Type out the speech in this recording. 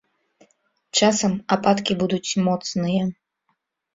Часам ападкі будуць моцныя.